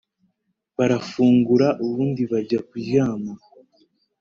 barafungura ubundi bajya kuryama.